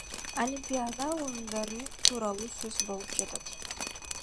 Олимпиада оюндары тууралуу сөз болуп жатат.